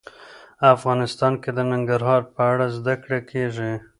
افغانستان کې د ننګرهار په اړه زده کړه کېږي.